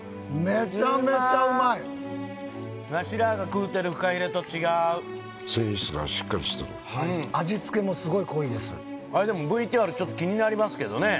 めちゃめちゃうまいワシらが食うてるフカヒレと違う味付けもすごい濃いですでもＶＴＲちょっと気になりますけどね